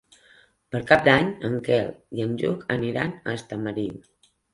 Per Cap d'Any en Quel i en Lluc aniran a Estamariu.